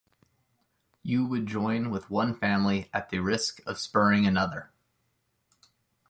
You would join with one family at the risk of spurning another.